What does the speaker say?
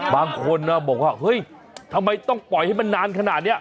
บางคนบอกว่าเฮ้ยทำไมต้องปล่อยให้มันนานขนาดนี้